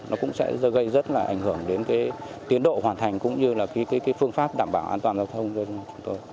nó cũng sẽ gây rất là ảnh hưởng đến cái tiến độ hoàn thành cũng như là cái phương pháp đảm bảo an toàn giao thông cho chúng tôi